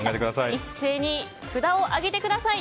一斉に札を上げてください。